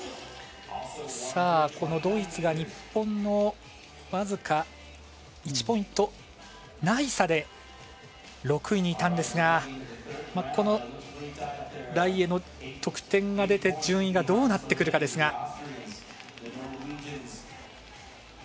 このドイツが日本の僅か１ポイントない差で６位にいたんですがこのライエの得点が出て順位がどうなるかですが。